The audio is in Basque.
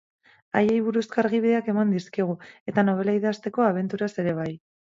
Haiei buruzko argibideak eman dizkigu, eta nobela idazteko abenturaz ere bai.